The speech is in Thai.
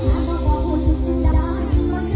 เวลาที่สุดท้าย